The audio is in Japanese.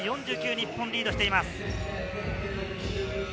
日本がリードしています。